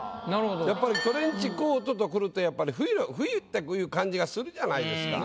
やっぱり「トレンチコート」とくると冬って感じがするじゃないですか。